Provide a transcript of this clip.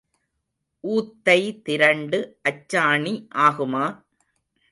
ஊத்தை திரண்டு அச்சாணி ஆகுமா?